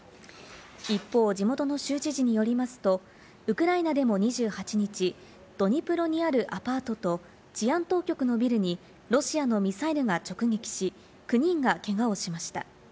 一方、地元の州知事によりますと、ウクライナでも２８日、ドニプロにあるアパートと治安当局のビルに、ロシアのミサイルが直撃し、９人がけがをしました。